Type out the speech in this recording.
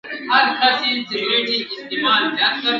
او شعري ارزښت به یې دونه کم وي ,